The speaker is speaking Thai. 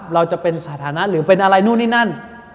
เราจะเป็นสถานะหรือเป็นอะไรนู่นนี่นั่น